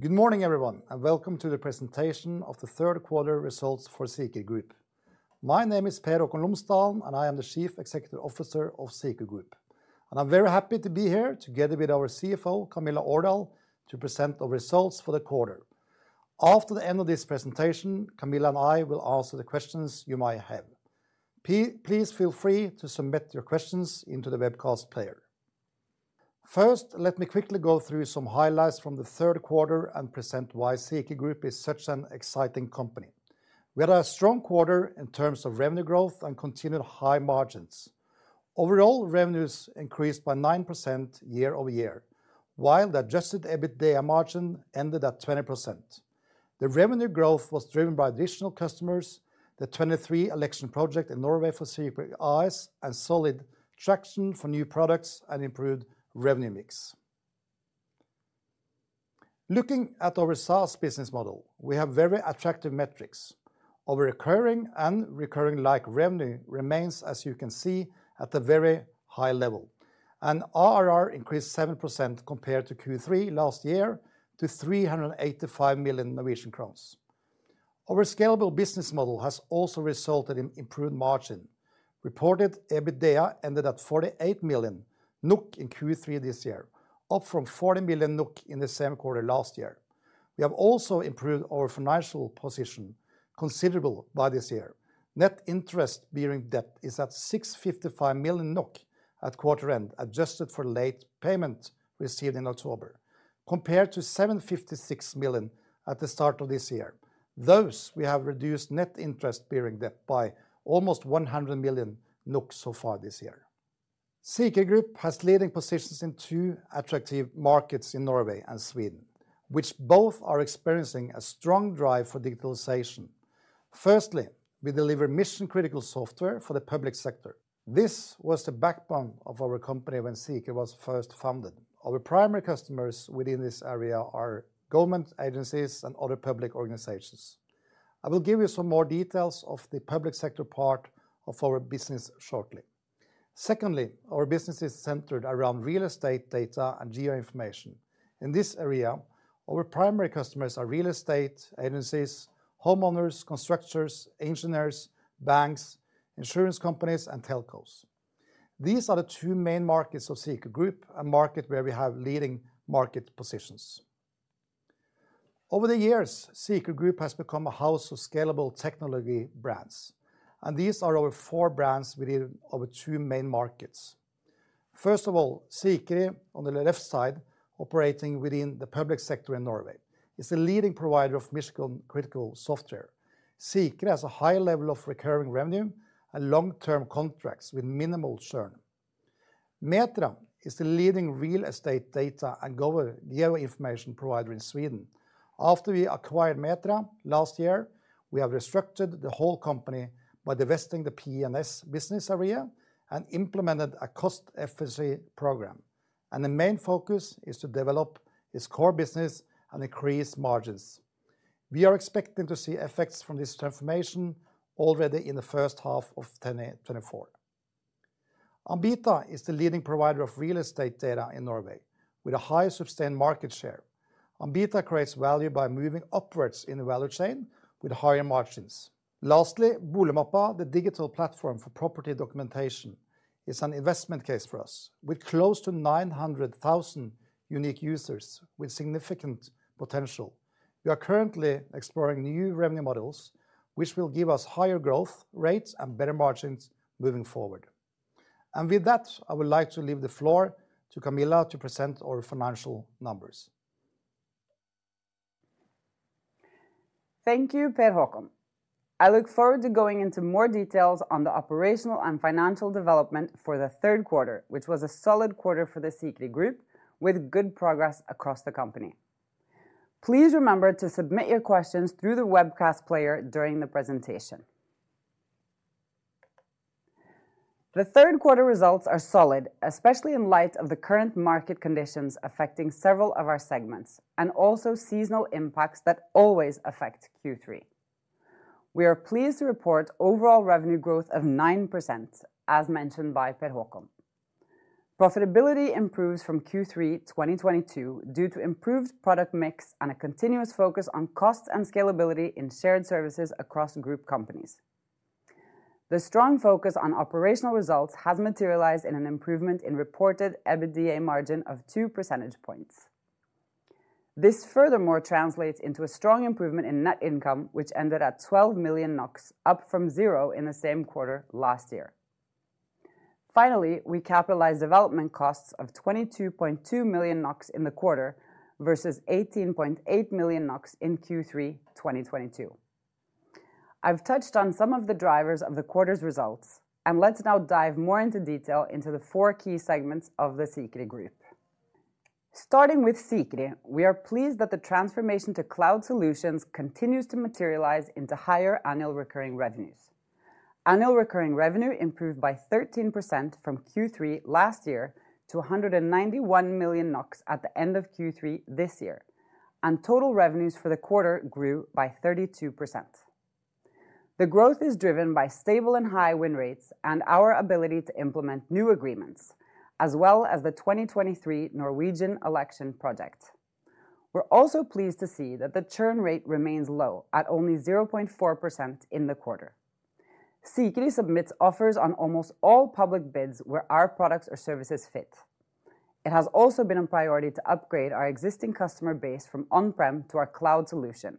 Good morning, everyone, and welcome to the presentation of the third quarter results for Sikri Group. My name is Per Haakon Lomsdalen, and I am the Chief Executive Officer of Sikri Group, and I'm very happy to be here together with our CFO, Camilla Aardal, to present the results for the quarter. After the end of this presentation, Camilla and I will answer the questions you might have. Please, please feel free to submit your questions into the webcast player. First, let me quickly go through some highlights from the third quarter and present why Sikri Group is such an exciting company. We had a strong quarter in terms of revenue growth and continued high margins. Overall, revenues increased by 9% year-over-year, while the adjusted EBITDA margin ended at 20%. The revenue growth was driven by additional customers, the 2023 election project in Norway for Sikri, and solid traction for new products and improved revenue mix. Looking at our SaaS business model, we have very attractive metrics. Our recurring and recurring-like revenue remains, as you can see, at a very high level, and ARR increased 7% compared to Q3 last year to 385 million Norwegian crowns. Our scalable business model has also resulted in improved margin. Reported EBITDA ended at 48 million NOK in Q3 this year, up from 40 million NOK in the same quarter last year. We have also improved our financial position considerably this year. Net interest-bearing debt is at 655 million NOK at quarter end, adjusted for late payment received in October, compared to 756 million at the start of this year. Thus, we have reduced net interest-bearing debt by almost 100 million so far this year. SikriGroup has leading positions in two attractive markets in Norway and Sweden, which both are experiencing a strong drive for digitalization. Firstly, we deliver mission-critical software for the public sector. This was the backbone of our company when Sikri was first founded. Our primary customers within this area are government agencies and other public organizations. I will give you some more details of the public sector part of our business shortly. Secondly, our business is centered around real estate data and geo information. In this area, our primary customers are real estate agencies, homeowners, constructors, engineers, banks, insurance companies, and telcos. These are the two main markets of Sikri Group, a market where we have leading market positions. Over the years, Sikri Group has become a house of scalable technology brands, and these are our four brands within our two main markets. First of all, Sikri, on the left side, operating within the public sector in Norway, is the leading provider of mission-critical software. Sikri has a high level of recurring revenue and long-term contracts with minimal churn. Metria is the leading real estate data and geo information provider in Sweden. After we acquired Metria last year, we have restructured the whole company by divesting the P&S business area and implemented a cost-efficiency program, and the main focus is to develop its core business and increase margins. We are expecting to see effects from this transformation already in the first half of 2024. Ambita is the leading provider of real estate data in Norway, with a high sustained market share. Ambita creates value by moving upwards in the value chain with higher margins. Lastly, Boligmappa, the digital platform for property documentation, is an investment case for us. With close to 900,000 unique users with significant potential, we are currently exploring new revenue models, which will give us higher growth rates and better margins moving forward. And with that, I would like to leave the floor to Camilla to present our financial numbers. Thank you, Per Haakon. I look forward to going into more details on the operational and financial development for the third quarter, which was a solid quarter for the Sikri Group, with good progress across the company. Please remember to submit your questions through the webcast player during the presentation. The third quarter results are solid, especially in light of the current market conditions affecting several of our segments, and also seasonal impacts that always affect Q3. We are pleased to report overall revenue growth of 9%, as mentioned by Per Haakon. Profitability improves from Q3 2022 due to improved product mix and a continuous focus on cost and scalability in shared services across group companies. The strong focus on operational results has materialized in an improvement in reported EBITDA margin of two percentage points. This furthermore translates into a strong improvement in net income, which ended at 12 million NOK, up from 0 in the same quarter last year. Finally, we capitalized development costs of 22.2 million NOK in the quarter versus 18.8 million NOK in Q3 2022. I've touched on some of the drivers of the quarter's results, and let's now dive more into detail into the four key segments of the Sikri Group. Starting with Sikri, we are pleased that the transformation to cloud solutions continues to materialize into higher annual recurring revenues. Annual recurring revenue improved by 13% from Q3 last year to 191 million NOK at the end of Q3 this year, and total revenues for the quarter grew by 32%. The growth is driven by stable and high win rates and our ability to implement new agreements, as well as the 2023 Norwegian election project. We're also pleased to see that the churn rate remains low at only 0.4% in the quarter. Sikri submits offers on almost all public bids where our products or services fit. It has also been a priority to upgrade our existing customer base from on-prem to our cloud solution.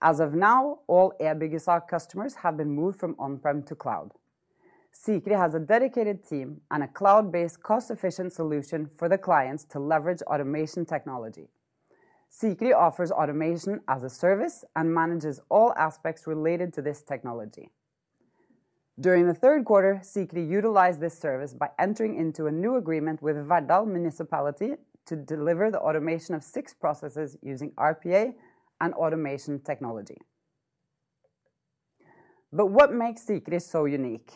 As of now, all our biggest customers have been moved from on-prem to cloud. Sikri has a dedicated team and a cloud-based, cost-efficient solution for the clients to leverage automation technology. Sikri offers automation as a service and manages all aspects related to this technology. During the third quarter, Sikri utilized this service by entering into a new agreement with Verdal Municipality to deliver the automation of six processes using RPA and automation technology. But what makes Sikri so unique?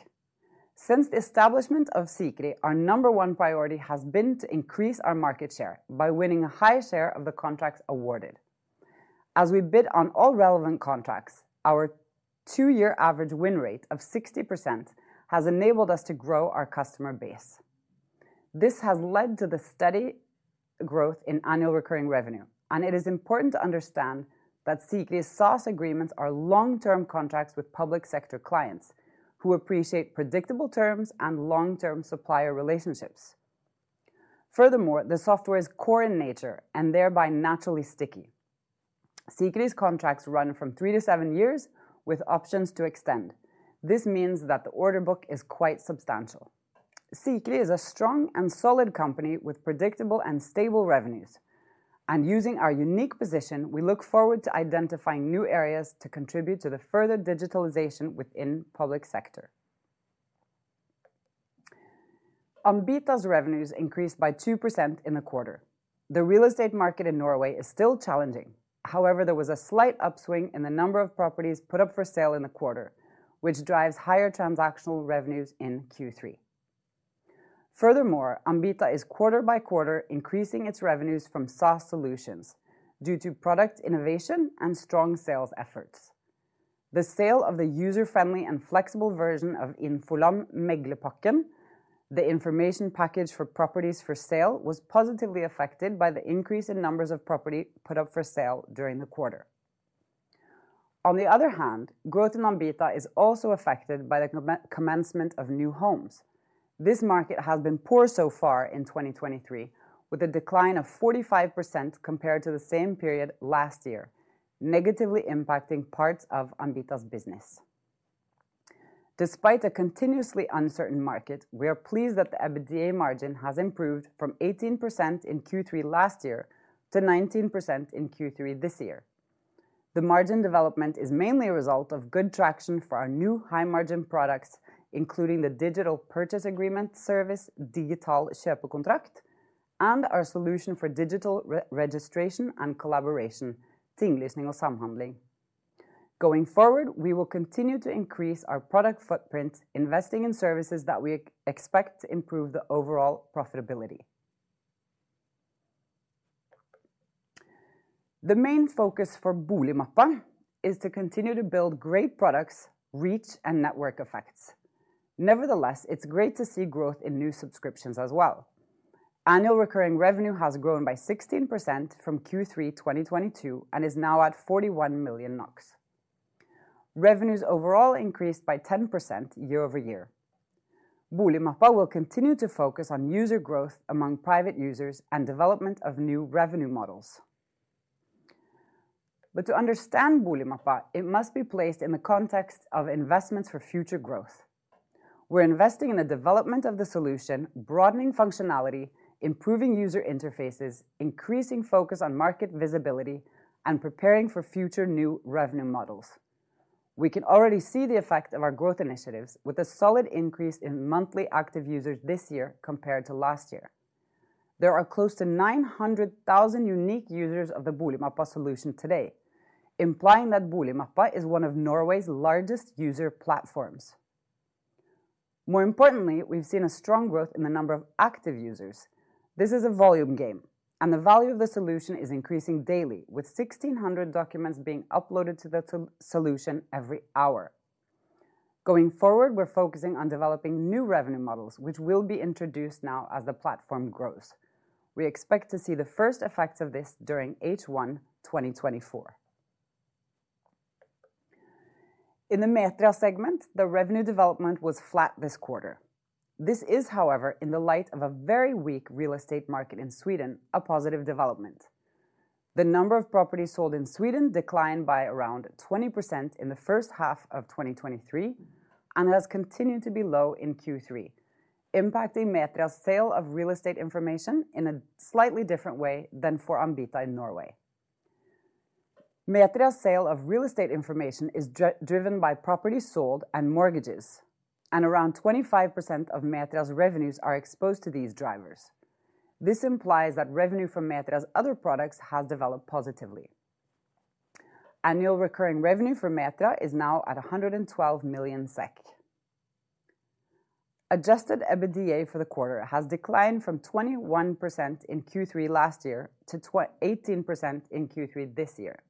Since the establishment of Sikri, our number one priority has been to increase our market share by winning a high share of the contracts awarded. As we bid on all relevant contracts, our two-year average win rate of 60% has enabled us to grow our customer base. This has led to the steady growth in annual recurring revenue, and it is important to understand that Sikri's SaaS agreements are long-term contracts with public sector clients, who appreciate predictable terms and long-term supplier relationships. Furthermore, the software is core in nature and thereby naturally sticky. Sikri's contracts run from three to seven years, with options to extend. This means that the order book is quite substantial. Sikri is a strong and solid company with predictable and stable revenues, and using our unique position, we look forward to identifying new areas to contribute to the further digitalization within public sector. Ambita's revenues increased by 2% in the quarter. The real estate market in Norway is still challenging. However, there was a slight upswing in the number of properties put up for sale in the quarter, which drives higher transactional revenues in Q3. Furthermore, Ambita is quarter by quarter, increasing its revenues from SaaS solutions due to product innovation and strong sales efforts. The sale of the user-friendly and flexible version of Infoland Meglerpakken, the information package for properties for sale, was positively affected by the increase in numbers of property put up for sale during the quarter. On the other hand, growth in Ambita is also affected by the commencement of new homes. This market has been poor so far in 2023, with a decline of 45% compared to the same period last year, negatively impacting parts of Ambita's business. Despite a continuously uncertain market, we are pleased that the EBITDA margin has improved from 18% in Q3 last year to 19% in Q3 this year. The margin development is mainly a result of good traction for our new high-margin products, including the digital purchase agreement service, Digital Kjøpekontrakt, and our solution for digital re-registration and collaboration, Tinglysning og Samhandling. Going forward, we will continue to increase our product footprint, investing in services that we expect to improve the overall profitability. The main focus for Boligmappa is to continue to build great products, reach, and network effects. Nevertheless, it's great to see growth in new subscriptions as well. Annual recurring revenue has grown by 16% from Q3 2022 and is now at 41 million NOK. Revenues overall increased by 10% year-over-year. Boligmappa will continue to focus on user growth among private users and development of new revenue models. But to understand Boligmappa, it must be placed in the context of investments for future growth. We're investing in the development of the solution, broadening functionality, improving user interfaces, increasing focus on market visibility, and preparing for future new revenue models. We can already see the effect of our growth initiatives with a solid increase in monthly active users this year compared to last year. There are close to 900,000 unique users of the Boligmappa solution today, implying that Boligmappa is one of Norway's largest user platforms. More importantly, we've seen a strong growth in the number of active users. This is a volume game, and the value of the solution is increasing daily, with 1,600 documents being uploaded to the solution every hour. Going forward, we're focusing on developing new revenue models, which will be introduced now as the platform grows. We expect to see the first effects of this during H1 2024. In the Metria segment, the revenue development was flat this quarter. This is, however, in the light of a very weak real estate market in Sweden, a positive development. The number of properties sold in Sweden declined by around 20% in the first half of 2023 and has continued to be low in Q3, impacting Metria's sale of real estate information in a slightly different way than for Ambita in Norway. Metria's sale of real estate information is driven by properties sold and mortgages, and around 25% of Metria's revenues are exposed to these drivers. This implies that revenue from Metria's other products has developed positively. Annual recurring revenue for Metria is now at 112 million SEK. Adjusted EBITDA for the quarter has declined from 21% in Q3 last year to 18% in Q3 this year.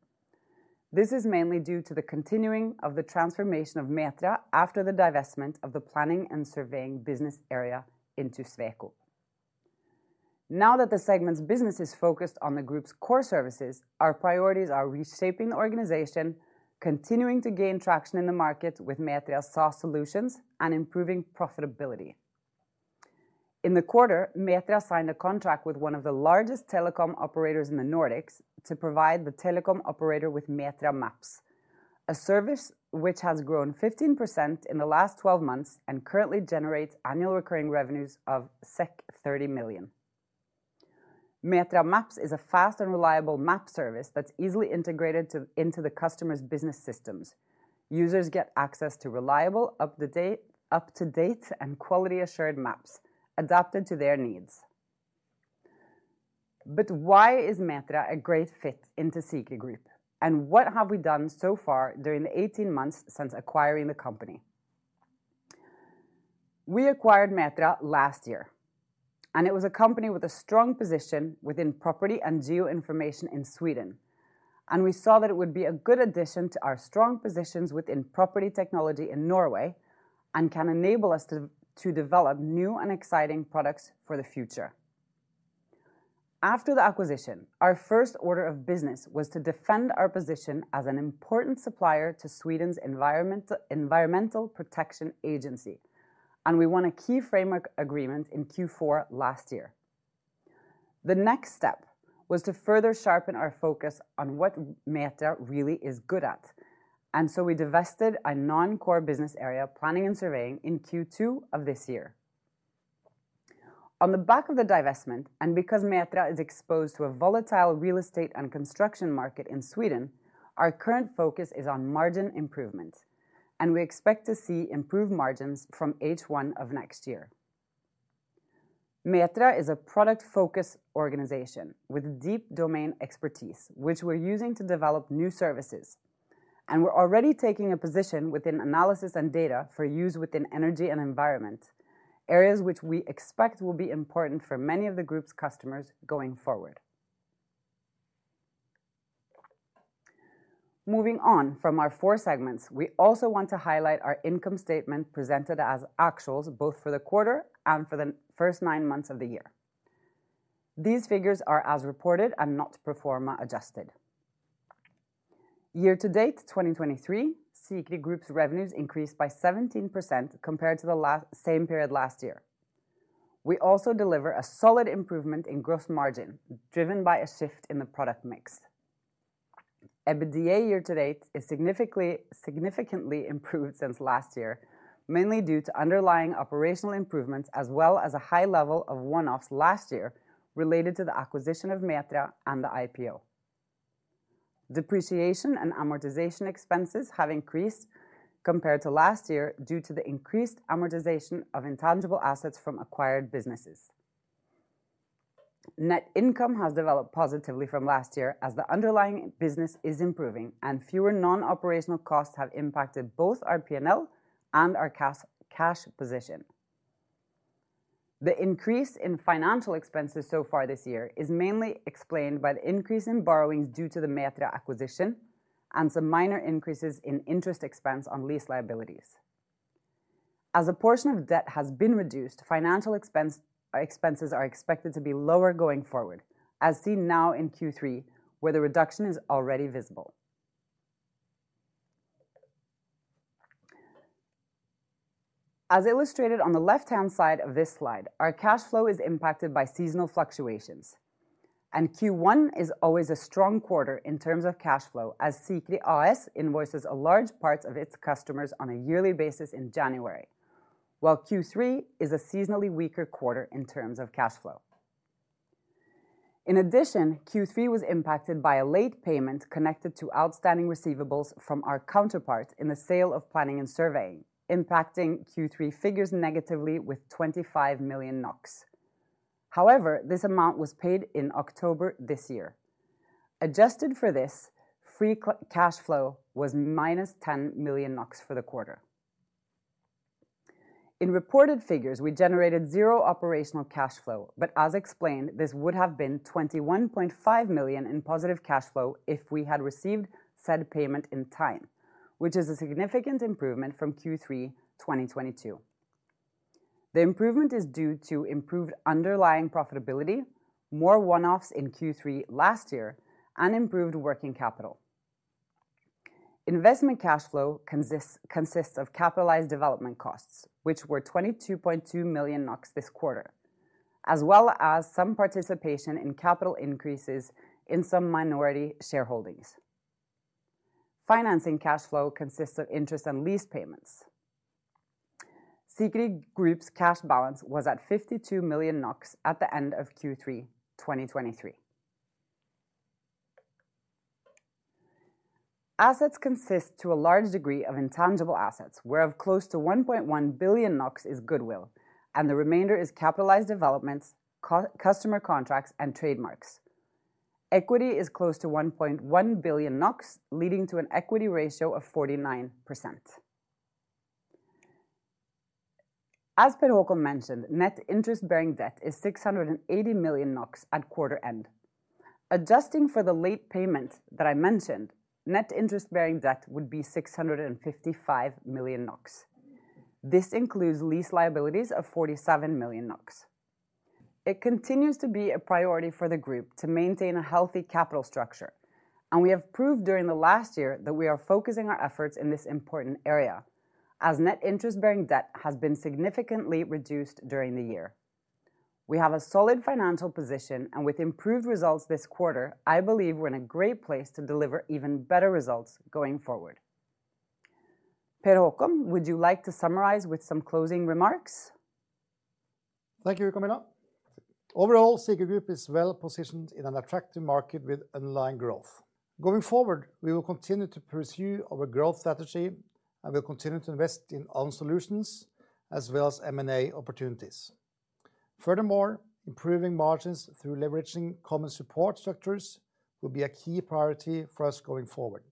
This is mainly due to the continuing of the transformation of Metria after the divestment of the planning and surveying business area into Sweco. Now that the segment's business is focused on the group's core services, our priorities are reshaping the organization, continuing to gain traction in the market with Metria's SaaS solutions, and improving profitability. In the quarter, Metria signed a contract with one of the largest telecom operators in the Nordics to provide the telecom operator with Metria Maps, a service which has grown 15% in the last 12 months and currently generates annual recurring revenues of 30 million. Metria Maps is a fast and reliable map service that's easily integrated into the customer's business systems. Users get access to reliable, up-to-date, and quality assured maps adapted to their needs. But why is Metria a great fit into Sikri Group, and what have we done so far during the 18 months since acquiring the company? We acquired Metria last year, and it was a company with a strong position within property and geo information in Sweden. We saw that it would be a good addition to our strong positions within property technology in Norway, and can enable us to to develop new and exciting products for the future. After the acquisition, our first order of business was to defend our position as an important supplier to Swedish Environmental Protection Agency, and we won a key framework agreement in Q4 last year. The next step was to further sharpen our focus on what Metria really is good at, and so we divested a non-core business area, planning and surveying, in Q2 of this year. On the back of the divestment, and because Metria is exposed to a volatile real estate and construction market in Sweden, our current focus is on margin improvement, and we expect to see improved margins from H1 of next year. Metria is a product-focused organization with deep domain expertise, which we're using to develop new services, and we're already taking a position within analysis and data for use within energy and environment, areas which we expect will be important for many of the group's customers going forward. Moving on from our four segments, we also want to highlight our income statement presented as actuals, both for the quarter and for the first nine months of the year. These figures are as reported and not pro forma adjusted. Year-to-date, 2023, Sikri Group's revenues increased by 17% compared to the same period last year. We also deliver a solid improvement in gross margin, driven by a shift in the product mix. EBITDA year to date is significantly, significantly improved since last year, mainly due to underlying operational improvements, as well as a high level of one-offs last year related to the acquisition of Metria and the IPO. Depreciation and amortization expenses have increased compared to last year due to the increased amortization of intangible assets from acquired businesses. Net income has developed positively from last year as the underlying business is improving and fewer non-operational costs have impacted both our P&L and our cash, cash position. The increase in financial expenses so far this year is mainly explained by the increase in borrowings due to the Metria acquisition and some minor increases in interest expense on lease liabilities. As a portion of debt has been reduced, financial expense, expenses are expected to be lower going forward, as seen now in Q3, where the reduction is already visible. As illustrated on the left-hand side of this slide, our cash flow is impacted by seasonal fluctuations, and Q1 is always a strong quarter in terms of cash flow, as Sikri AS invoices a large part of its customers on a yearly basis in January, while Q3 is a seasonally weaker quarter in terms of cash flow. In addition, Q3 was impacted by a late payment connected to outstanding receivables from our counterpart in the sale of planning and surveying, impacting Q3 figures negatively with 25 million NOK. However, this amount was paid in October this year. Adjusted for this, free cash flow was -10 million NOK for the quarter. In reported figures, we generated zero operational cash flow, but as explained, this would have been 21.5 million in positive cash flow if we had received said payment in time, which is a significant improvement from Q3 2022. The improvement is due to improved underlying profitability, more one-offs in Q3 last year, and improved working capital. Investment cash flow consists of capitalized development costs, which were 22.2 million NOK this quarter, as well as some participation in capital increases in some minority shareholdings. Financing cash flow consists of interest and lease payments. Sikri Group's cash balance was at 52 million NOK at the end of Q3 2023. Assets consist to a large degree of intangible assets, whereof close to 1.1 billion NOK is goodwill, and the remainder is capitalized developments, customer contracts, and trademarks. Equity is close to 1.1 billion NOK, leading to an equity ratio of 49%. As Per Håkon mentioned, net interest-bearing debt is 680 million NOK at quarter end. Adjusting for the late payment that I mentioned, net interest-bearing debt would be 655 million NOK. This includes lease liabilities of 47 million NOK. It continues to be a priority for the group to maintain a healthy capital structure, and we have proved during the last year that we are focusing our efforts in this important area, as net interest-bearing debt has been significantly reduced during the year. We have a solid financial position, and with improved results this quarter, I believe we're in a great place to deliver even better results going forward. Per Håkon, would you like to summarize with some closing remarks? Thank you, Camilla. Overall, Sikri Group is well positioned in an attractive market with underlying growth. Going forward, we will continue to pursue our growth strategy, and we'll continue to invest in own solutions, as well as M&A opportunities. Furthermore, improving margins through leveraging common support structures will be a key priority for us going forward,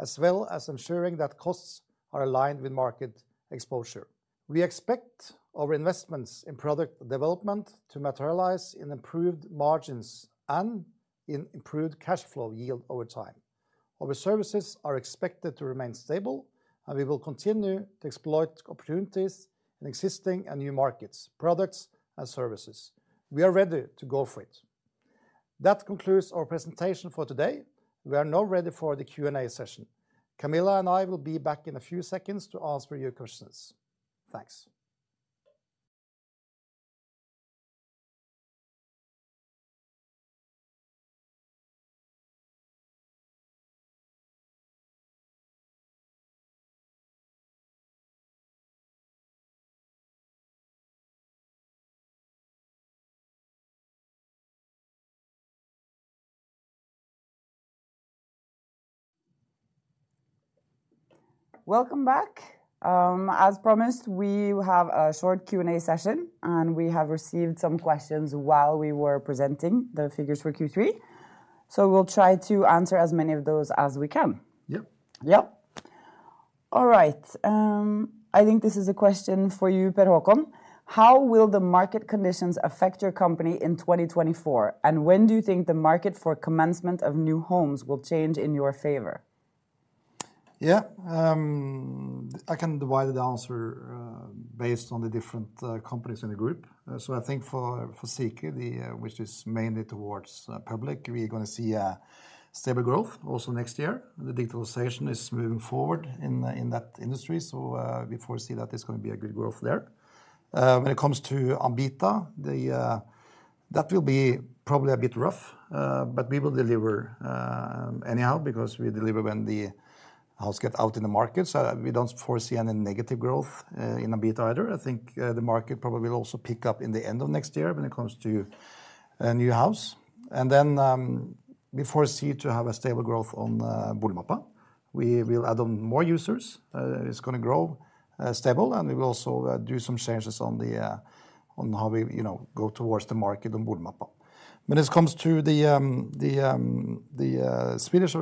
as well as ensuring that costs are aligned with market exposure. We expect our investments in product development to materialize in improved margins and in improved cash flow yield over time. Our services are expected to remain stable, and we will continue to exploit opportunities in existing and new markets, products, and services. We are ready to go for it. That concludes our presentation for today. We are now ready for the Q&A session. Camilla and I will be back in a few seconds to answer your questions. Thanks. Welcome back. As promised, we will have a short Q&A session, and we have received some questions while we were presenting the figures for Q3, so we'll try to answer as many of those as we can. Yep. Yep. All right, I think this is a question for you, Per Haakon: How will the market conditions affect your company in 2024, and when do you think the market for commencement of new homes will change in your favor? Yeah, I can divide the answer based on the different companies in the group. So I think for Sikri, which is mainly towards public, we are gonna see a stable growth also next year. The digitalization is moving forward in that industry, so we foresee that there's gonna be a good growth there. When it comes to Ambita... That will be probably a bit rough, but we will deliver anyhow, because we deliver when the house get out in the market. So we don't foresee any negative growth in Ambita either. I think the market probably will also pick up in the end of next year when it comes to a new house. Then we foresee to have a stable growth on Boligmappa. We will add on more users. It's gonna grow stable, and we will also do some changes on how we, you know, go towards the market on Boligmappa. When it comes to the Swedish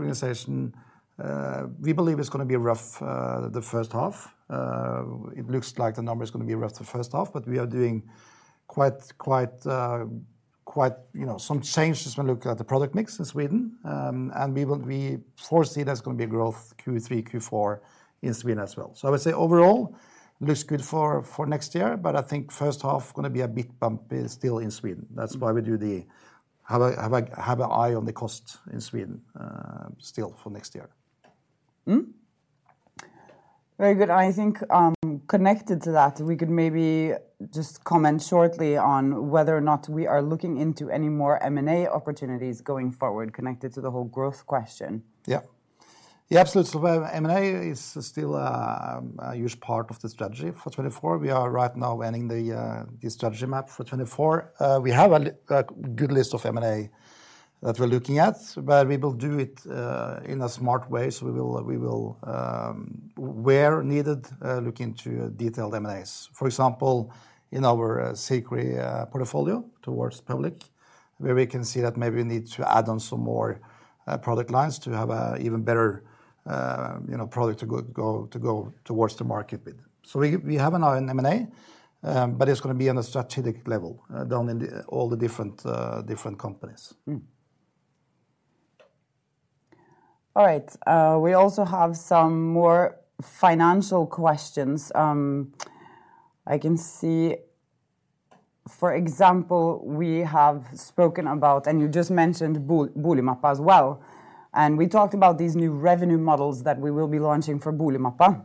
organization, we believe it's gonna be rough the first half. It looks like the number is gonna be rough the first half, but we are doing quite, you know, some changes when we look at the product mix in Sweden. And we will, we foresee there's gonna be growth Q3, Q4 in Sweden as well. So I would say overall, looks good for next year, but I think first half gonna be a bit bumpy still in Sweden. That's why we have an eye on the cost in Sweden still for next year. Mm. Very good, and I think, connected to that, we could maybe just comment shortly on whether or not we are looking into any more M&A opportunities going forward, connected to the whole growth question. Yeah. Yeah, absolutely. Well, M&A is still a huge part of the strategy for 2024. We are right now ending the strategy map for 2024. We have a good list of M&A that we're looking at, but we will do it in a smart way. So we will where needed look into detailed M&As. For example, in our Sikri portfolio towards public, where we can see that maybe we need to add on some more product lines to have an even better, you know, product to go to the market with. So we have an M&A, but it's gonna be on a strategic level down in all the different companies. All right, we also have some more financial questions. I can see, for example, we have spoken about, and you just mentioned Boligmappa as well, and we talked about these new revenue models that we will be launching for Boligmappa.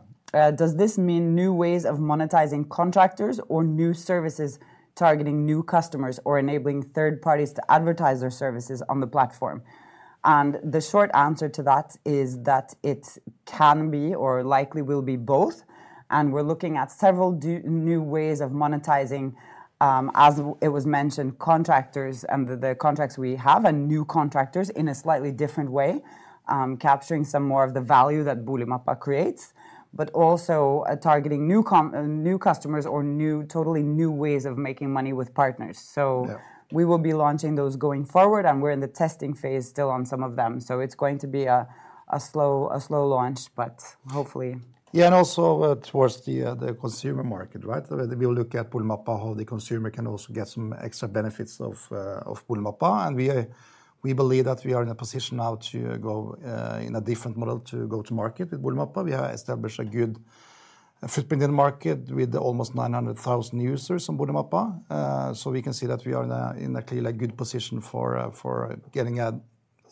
Does this mean new ways of monetizing contractors or new services targeting new customers, or enabling third parties to advertise their services on the platform? And the short answer to that is that it can be or likely will be both, and we're looking at several new ways of monetizing, as it was mentioned, contractors and the contracts we have, and new contractors in a slightly different way. Capturing some more of the value that Boligmappa creates, but also targeting new customers or new, totally new ways of making money with partners. So- Yeah. We will be launching those going forward, and we're in the testing phase still on some of them. So it's going to be a slow launch, but hopefully. Yeah, and also, towards the consumer market, right? So we'll look at Boligmappa, how the consumer can also get some extra benefits of Boligmappa. And we are- we believe that we are in a position now to go, in a different model to go to market with Boligmappa. We have established a good footprint in the market with almost 900,000 users on Boligmappa. So we can see that we are in a clearly good position for getting a,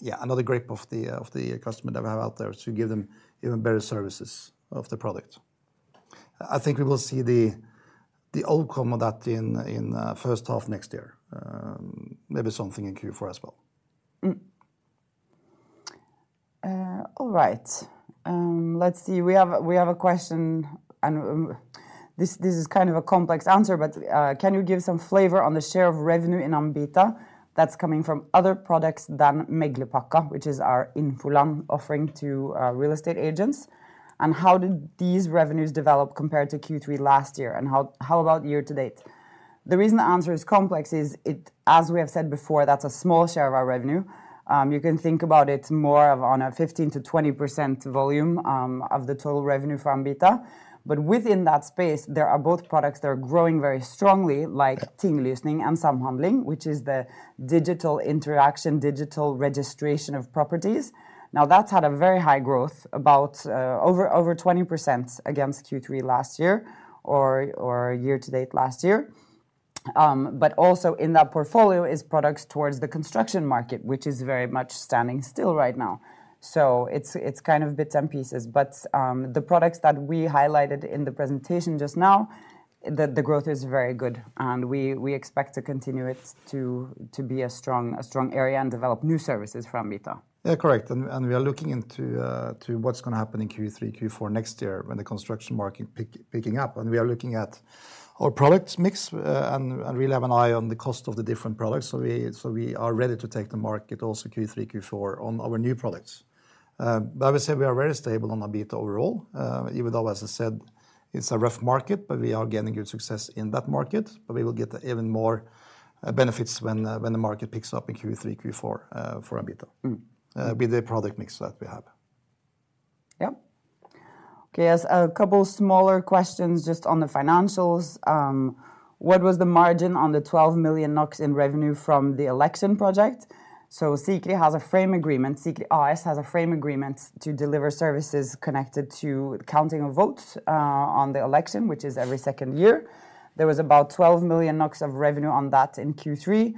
yeah, another grip of the customer that we have out there to give them even better services of the product. I think we will see the outcome of that in first half next year. Maybe something in Q4 as well. All right. Let's see. We have a question, and this is kind of a complex answer, but can you give some flavor on the share of revenue in Ambita that's coming from other products than Meglerpakken, which is our Infoland offering to real estate agents? And how did these revenues develop compared to Q3 last year, and how about year to date? The reason the answer is complex is it—as we have said before, that's a small share of our revenue. You can think about it more on a 15%-20% volume of the total revenue from Ambita. But within that space, there are both products that are growing very strongly, like Tingløsning og Samhandling, which is the digital interaction, digital registration of properties. Now, that's had a very high growth, about over 20% against Q3 last year or year-to-date last year. But also in that portfolio is products towards the construction market, which is very much standing still right now. So it's kind of bits and pieces, but the products that we highlighted in the presentation just now, the growth is very good, and we expect to continue it to be a strong area and develop new services for Ambita. Yeah, correct. And we are looking into to what's going to happen in Q3, Q4 next year when the construction market picking up. And we are looking at our product mix, and we'll have an eye on the cost of the different products. So we are ready to take the market also Q3, Q4 on our new products. But I would say we are very stable on Ambita overall, even though, as I said, it's a rough market, but we are getting good success in that market. But we will get even more benefits when the market picks up in Q3, Q4, for Ambita- Mm... with the product mix that we have. Yeah. Okay, there's a couple smaller questions just on the financials. What was the margin on the 12 million NOK in revenue from the election project? So Sikri has a frame agreement. Sikri AS has a frame agreement to deliver services connected to counting of votes, on the election, which is every second year. There was about 12 million NOK of revenue on that in Q3.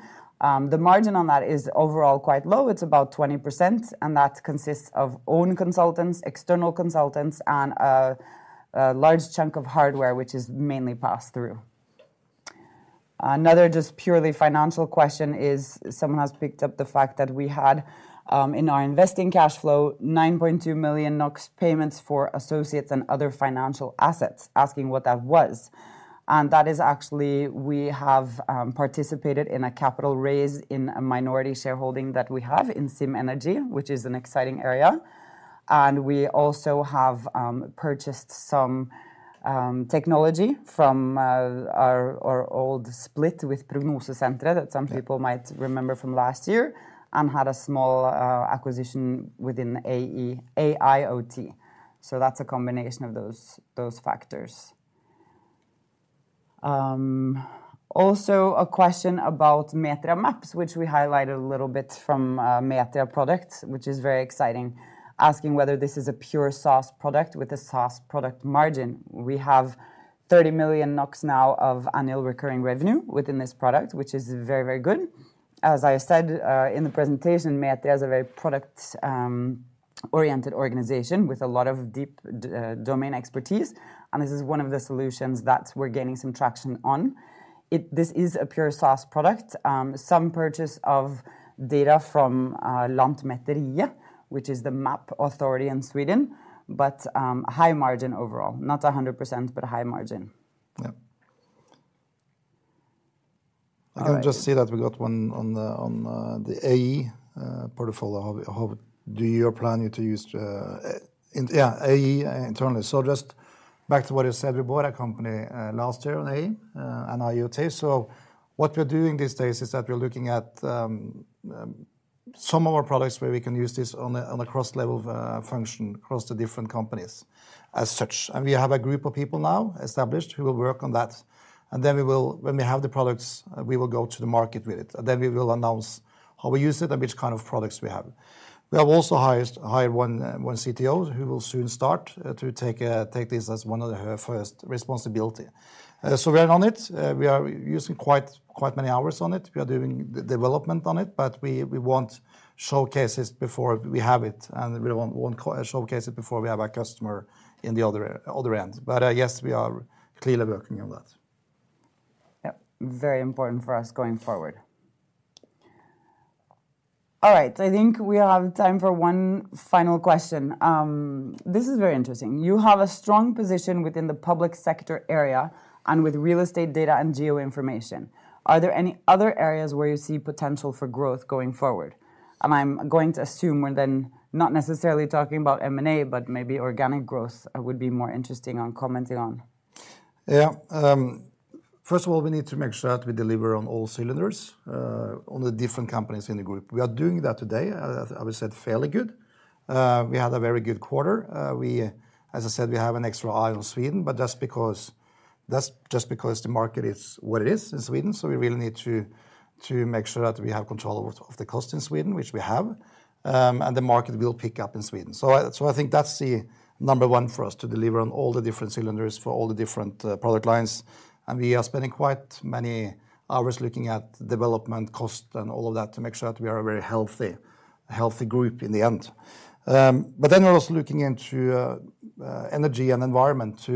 The margin on that is overall quite low. It's about 20%, and that consists of own consultants, external consultants, and a, a large chunk of hardware, which is mainly passed through. Another just purely financial question is, someone has picked up the fact that we had, in our investing cash flow, 9.2 million NOK payments for associates and other financial assets, asking what that was. That is actually, we have participated in a capital raise in a minority shareholding that we have in Zim Energy, which is an exciting area. We also have purchased some technology from our old split with Prognosesenteret that some people might remember from last year, and had a small acquisition within AI, AIoT. So that's a combination of those factors. Also a question about Metria Maps, which we highlighted a little bit from Metria products, which is very exciting, asking whether this is a pure SaaS product with a SaaS product margin. We have 30 million NOK now of annual recurring revenue within this product, which is very, very good. As I said, in the presentation, Metria is a very product-oriented organization with a lot of deep domain expertise, and this is one of the solutions that we're gaining some traction on. This is a pure SaaS product. Some purchase of data from Lantmäteriet, which is the map authority in Sweden, but high margin overall. Not 100%, but a high margin. Yeah. All right. I can just see that we got one on the AI portfolio. How do you plan to use AI internally? So just back to what I said, we bought a company last year on AI and IoT. So what we're doing these days is that we're looking at some of our products where we can use this on a cross-level of function across the different companies as such. And we have a group of people now established who will work on that, and then we will, when we have the products, we will go to the market with it, and then we will announce how we use it and which kind of products we have. We have also hired one CTO, who will soon start to take this as one of her first responsibility. So we are on it. We are using quite many hours on it. We are doing the development on it, but we want showcases before we have it, and we want showcases before we have our customer in the other end. But yes, we are clearly working on that. Yep, very important for us going forward. All right, I think we have time for one final question. This is very interesting. You have a strong position within the public sector area and with real estate data and geo information. Are there any other areas where you see potential for growth going forward? And I'm going to assume we're then not necessarily talking about M&A, but maybe organic growth would be more interesting on commenting on. Yeah. First of all, we need to make sure that we deliver on all cylinders, on the different companies in the group. We are doing that today, as I said, fairly good. We had a very good quarter. We, as I said, we have an extra eye on Sweden, but just because... That's just because the market is what it is in Sweden, so we really need to, to make sure that we have control of, of the cost in Sweden, which we have. And the market will pick up in Sweden. So I think that's the number one for us, to deliver on all the different cylinders for all the different product lines, and we are spending quite many hours looking at development cost and all of that to make sure that we are a very healthy, healthy group in the end. But then we're also looking into energy and environment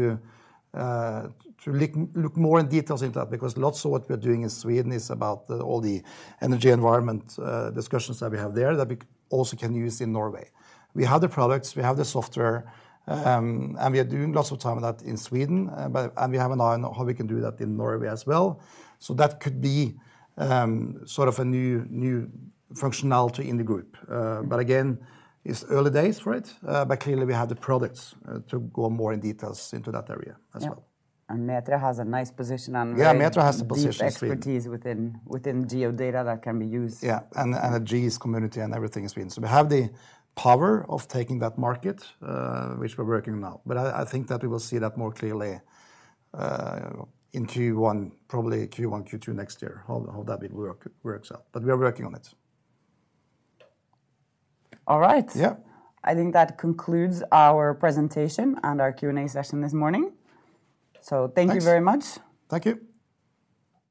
to look more in details into that, because lots of what we're doing in Sweden is about all the energy environment discussions that we have there, that we also can use in Norway. We have the products, we have the software, and we are doing lots of time of that in Sweden, but. And we have an eye on how we can do that in Norway as well. So that could be sort of a new functionality in the group. But again, it's early days for it, but clearly we have the products to go more in details into that area as well. Yeah, and Metria has a nice position on- Yeah, Metria has a position in Sweden. Deep expertise within geodata that can be used. Yeah, and a GIS community and everything in Sweden. So we have the power of taking that market, which we're working on now. But I think that we will see that more clearly in Q1, probably Q1, Q2 next year, how that will work out. But we are working on it. All right. Yeah. I think that concludes our presentation and our Q&A session this morning. So thank you very much. Thanks. Thank you.